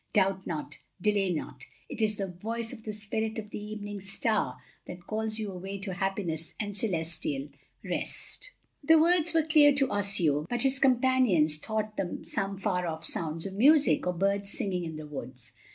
Doubt not, delay not. It is the voice of the Spirit of the Evening Star that calls you away to happiness and celestial rest." The words were clear to Osseo, but his companions thought them some far off sounds of music, or birds singing in the woods.